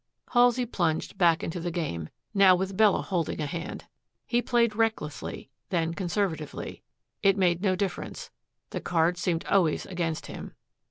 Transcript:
Halsey plunged back into the game, now with Bella holding a hand. He played recklessly, then conservatively. It made no difference. The cards seemed always against him.